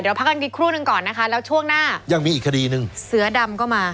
เดี๋ยวพักกันอีกครู่หนึ่งก่อนนะคะแล้วช่วงหน้ายังมีอีกคดีหนึ่งเสือดำก็มา